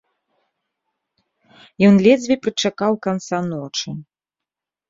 Ён ледзьве прычакаў канца ночы.